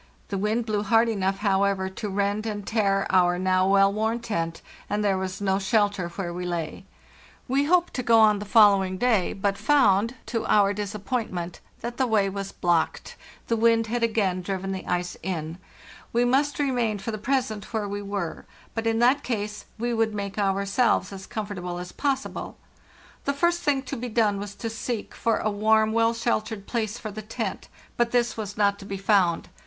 The wind blew hard enough, however, to rend and tear our now well worn tent, and there was no. shelter where we lay. We hoped to go on on the following day, but found, to our disappointment, that the way was blocked ; the wind had again driven the ice in. We must remain for the present where we were; but in that case we would make ourselves as comfortable as possible. The first thing to be done was to seek for a warm, well sheltered place for the tent, but this was not to be 390 FARTHEST NORTH found.